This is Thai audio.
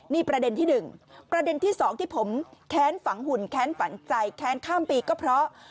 นี่ประเด็นที่๑ประเด็นที่๒ที่ผมแค้นฝังหุ่นแค้นฝังใจแค้นข้ามปีก็เพราะ